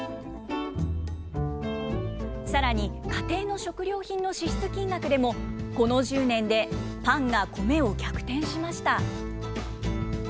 さらに、家庭の食料品の支出金額でも、この１０年でパンがコメを逆転しました。